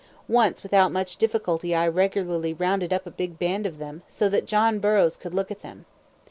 Once without much difficulty I regularly rounded up a big band of them, so that John Burroughs could look at them.